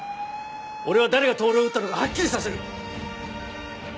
俺は誰が透を撃ったのかはっきりさせる。